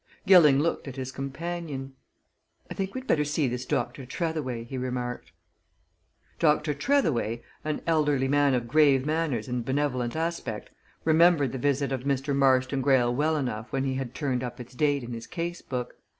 Gilling looked at his companion. "I think we'd better see this Dr. Tretheway," he remarked. Dr. Tretheway, an elderly man of grave manners and benevolent aspect, remembered the visit of Mr. Marston Greyle well enough when he had turned up its date in his case book.